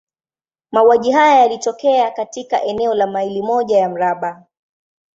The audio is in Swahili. Mauaji haya yalitokea katika eneo la maili moja ya mraba.